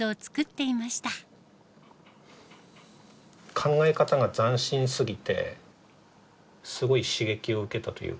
考え方が斬新すぎてすごい刺激を受けたというか。